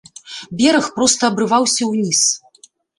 Бераг проста абрываўся ўніз.